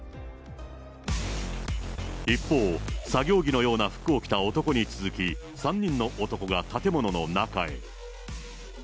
一方、作業着のような服を着た男に続き、３人の男が建物の中へ。